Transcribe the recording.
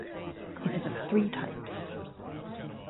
It is of three types.